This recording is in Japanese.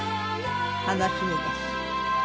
楽しみです。